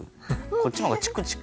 こっちの方がチクチク。